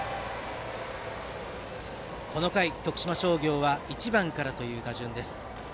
この回、徳島商業は１番からという打順です。